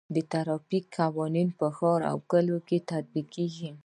د ټرافیک قوانین په ښار او کلیو کې تطبیق کیږي.